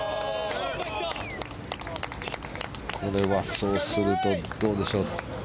これは、そうするとどうでしょう。